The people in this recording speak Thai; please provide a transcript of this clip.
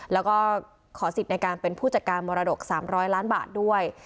แล้วก็ขอสิทธิ์ในการเป็นผู้จัดการมรดก๓๐๐ล้านบาทด้วย